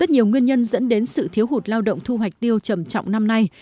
rất nhiều nguyên nhân dẫn đến sự thiếu hụt lao động thu hoạch tiêu trầm trọng năm nay